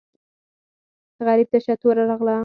غریبه تشه توره راغله.